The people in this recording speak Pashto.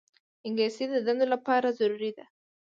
انګلیسي د دندو لپاره ضروري ده